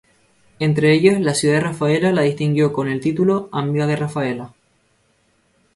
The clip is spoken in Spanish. Entre ellos, la ciudad de Rafaela la distinguió con el título "Amiga de Rafaela".